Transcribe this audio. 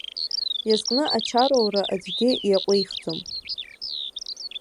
Иазкны ачароура аӡәгьы иаҟәихӡом.